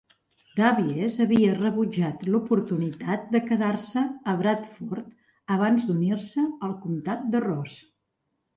Davies havia rebutjat l'oportunitat de quedar-se a Bradford abans d'unir-se al comtat de Ross.